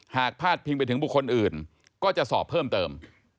พาดพิงไปถึงบุคคลอื่นก็จะสอบเพิ่มเติม